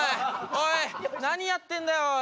おい何やってんだよおい。